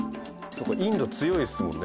インド強いですもんね。